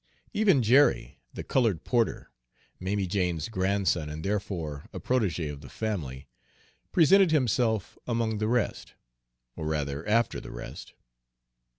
Even Jerry, the colored porter, Mammy Jane's grandson and therefore a protégé of the family, presented himself among the rest, or rather, after the rest.